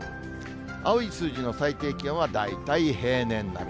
青い数字の最低気温は大体平年並み。